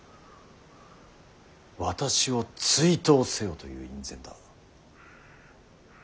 私を追討せよという院宣だ。